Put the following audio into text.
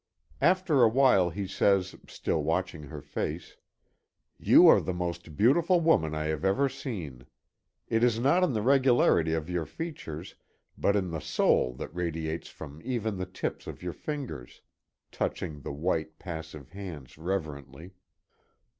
After a while he says, still watching her face: "You are the most beautiful woman I have ever seen. It is not in the regularity of your features, but in the soul that radiates from even the tips of your fingers," touching the white, passive hands reverently.